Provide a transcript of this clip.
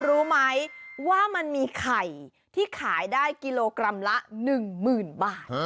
รู้ไหมว่ามันมีไข่ที่ขายได้กิโลกรัมละหนึ่งหมื่นบาท